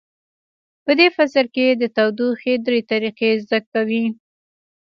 په دې فصل کې د تودوخې درې طریقې زده کوو.